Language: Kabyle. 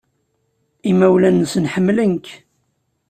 Imawlan-nsen ḥemmlen-k.